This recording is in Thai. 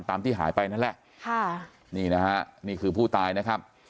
ที่หายไปนั่นแหละค่ะนี่นะฮะนี่คือผู้ตายนะครับ